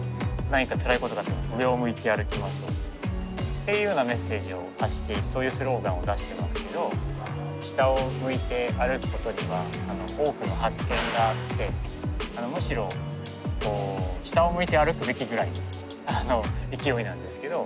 何かつらいことがあっても上を向いて歩きましょうっていうようなメッセージを発しているそういうスローガンを出してますけど下を向いて歩くことには多くの発見があってむしろ下を向いて歩くべきぐらいの勢いなんですけど。